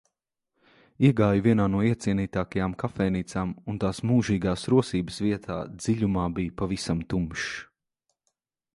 Iegāju vienā no iecienītākajām kafejnīcām un tās mūžīgās rosības vietā dziļumā bija pavisam tumšs.